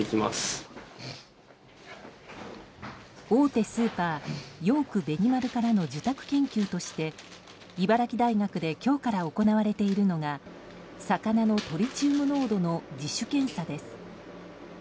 大手スーパーヨークベニマルからの受託研究として茨城大学で今日から行われているのが魚のトリチウム濃度の自主検査です。